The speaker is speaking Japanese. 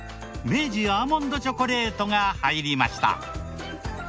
明治アーモンドチョコレートが入りました。